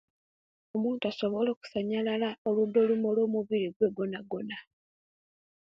Omuntu asobola okusanyalala oludda olumo olwomubiri gwe gwonagwona